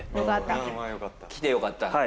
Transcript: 「来てよかった」？